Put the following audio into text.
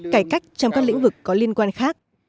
cải cách trong các lĩnh vực có liên quan khác